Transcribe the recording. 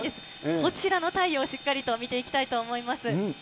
こちらの太陽、しっかりと見ていきたいと思います。